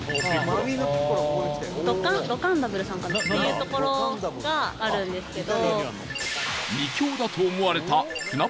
ロカンダブルさんかな？っていう所があるんですけど。